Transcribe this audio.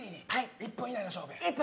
１分以内の勝負や１分！